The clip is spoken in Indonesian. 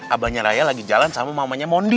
abahnya raya lagi jalan sama mamanya mondi